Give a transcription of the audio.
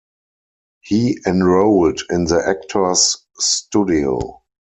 He enrolled in the Actors Studio.